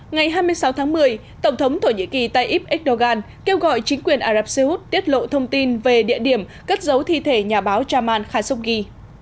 ngày hai mươi sáu tháng một mươi tổng thống thổ nhĩ kỳ tayyip erdogan kêu gọi chính quyền ả rập xê út tiết lộ thông tin về địa điểm cất giấu thi thể nhà báo jamal khashoggi